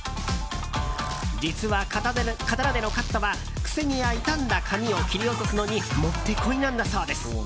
実は刀でのカットはくせ毛や傷んだ髪を切り落とすのにもってこいなんだそうです。